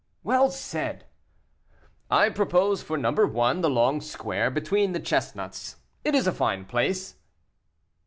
"Well said." "I propose for number one, the long square between the chestnuts; it is a fine place."